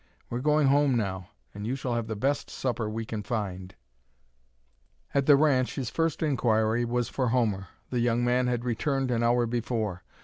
We're going home now, and you shall have the best supper we can find." At the ranch his first inquiry was for Homer. The young man had returned an hour before.